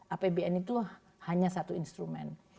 apbn itu hanya satu instrumen